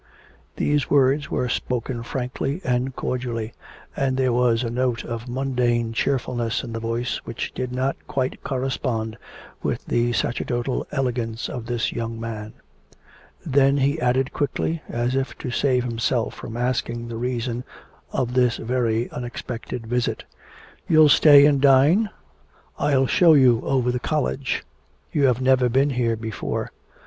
These words were spoken frankly and cordially, and there was a note of mundane cheerfulness in the voice which did not quite correspond with the sacerdotal elegance of this young man. Then he added quickly, as if to save himself from asking the reason of this very unexpected visit: 'You'll stay and dine? I'll show you over the college: you have never been here before....